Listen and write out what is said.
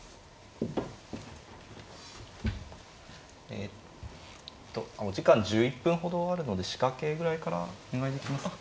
えっとお時間１１分ほどあるので仕掛けぐらいからお願いできますか。